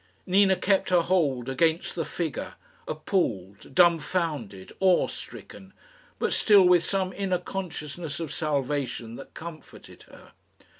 Nina kept her hold against the figure, appalled, dumbfounded, awe stricken, but still with some inner consciousness of salvation that comforted her.